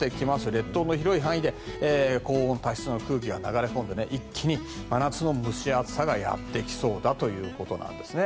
列島の広い範囲で高温多湿の空気が流れ込んで、一気に真夏の蒸し暑さがやってきそうだということなんですね。